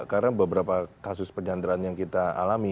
karena beberapa kasus penyandraan yang kita alami